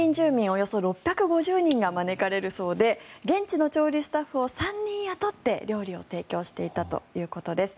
およそ６５０人が招かれるそうで現地の調理スタッフを３人雇って料理を提供していたということです。